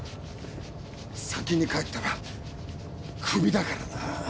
先に帰ったらクビだからな。